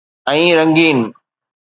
۽ رنگين